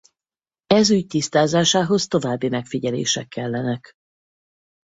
Ez ügy tisztázásához további megfigyelések kellenek.